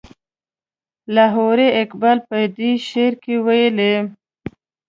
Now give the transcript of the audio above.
لاهوري اقبال په دې شعر کې ویلي.